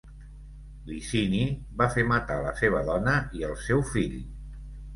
Licini va fer matar la seva dona i el seu fill.